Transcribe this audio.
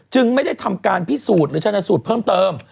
จึงไม่ได้ทำการพิสูจน์หรือชนะสูตรเพิ่มเติม